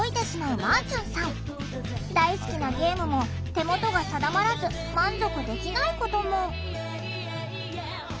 大好きなゲームも手元が定まらず満足できないことも。